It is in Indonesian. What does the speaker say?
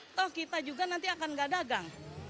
atau kita juga nanti akan nggak dagang